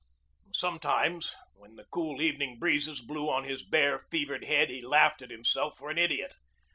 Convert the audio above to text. Sometimes, when the cool, evening breezes blew on his bare, fevered head, he laughed at himself for an idiot.